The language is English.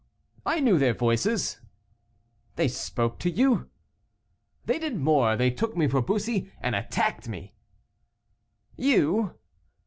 "I knew their voices." "They spoke to you?" "They did more, they took me for Bussy, and attacked me." "You?"